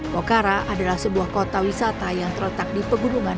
pokhara adalah sebuah kota wisata yang terletak di seluruh negara